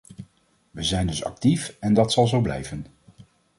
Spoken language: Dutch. We zijn dus actief, en dat zal zo blijven.